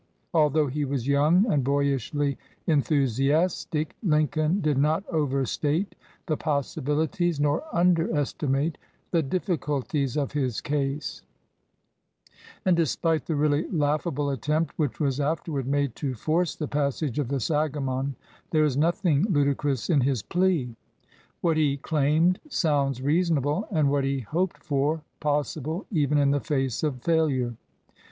Although he was young and boyishly enthusiastic, Lincoln did not overstate the possibilities nor underesti 39 LINCOLN THE LAWYER mate the difficulties of his case; and despite the really laughable attempt which was afterward made to force the passage of the Sangamon, there is nothing ludicrous in his plea. What he claimed sounds reasonable, and what he hoped for possible even in the face of failure.